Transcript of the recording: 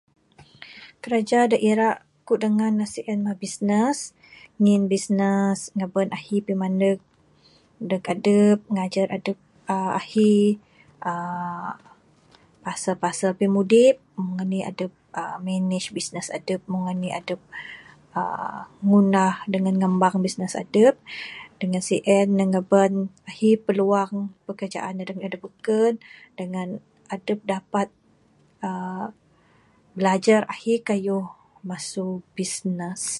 Kiraja da aku ira dangan ne sien bisnes ngin bisnes ngaban ahi pimaneg neg adep ngajar adep ahi uhh pasal pasal pimudip meng anih adep manage bisnes adep meng anih adep uhh ngundah dangan ngambang bisnes adep dangan sien ne ngaban ahi peluang pekerjaan da beken dangan adep dapat uhh bilajar ahi kayuh masu bisnes.